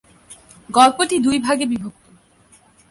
গল্পটি দুই ভাগে বিভক্ত।